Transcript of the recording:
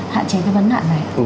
hạn chế cái vấn nạn này